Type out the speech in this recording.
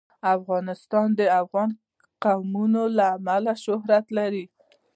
افغانستان د قومونه له امله شهرت لري.